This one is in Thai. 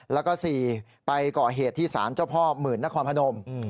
แล้วก็๔ไปก่อเหตุที่สารเจ้าพ่อหมื่นนครพนม